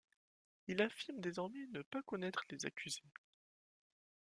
Il affirme désormais ne pas connaître les accusés.